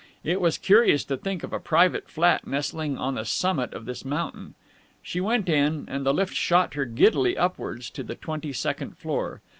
It was curious to think of a private flat nestling on the summit of this mountain. She went in, and the lift shot her giddily upwards to the twenty second floor.